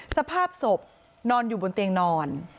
สภาพศพนอนอยู่บนเตียงนอน